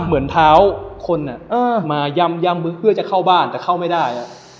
เหมือนเท้าคนมายำมือเพื่อจะเข้าบ้านแต่เข้าไม่ได้